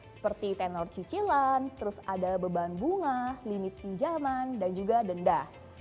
seperti tenor cicilan terus ada beban bunga limit pinjaman dan juga denda